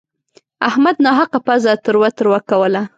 احمد ناحقه پزه تروه تروه کوله.